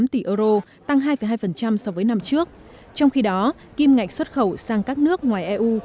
bảy trăm linh tám tỷ euro tăng hai hai so với năm trước trong khi đó kim ngạch xuất khẩu sang các nước ngoài eu